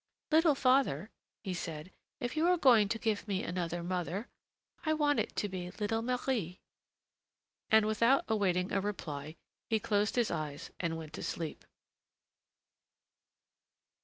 "Little father," he said, "if you're going to give me another mother, I want it to be little Marie." And, without awaiting a reply, he closed his eyes and went to sleep.